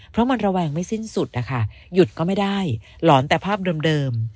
เพราะมันระแวงไม่สิ้นสุดนะคะหยุดก็ไม่ได้หลอนแต่ภาพเดิม